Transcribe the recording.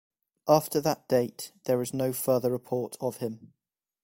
After that date, there is no further report of him.